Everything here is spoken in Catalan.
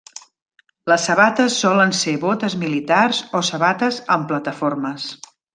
Les sabates solen ser botes militars o sabates amb plataformes.